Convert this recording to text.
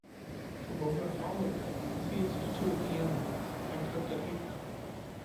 Karora followed them, seized two of the animals, then cooked and ate them.